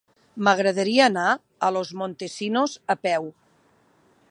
M'agradaria anar a Los Montesinos a peu.